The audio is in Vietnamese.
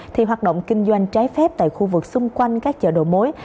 thì hoạt động kinh doanh trái phép tại khu vực xung quanh các chợ đầu mối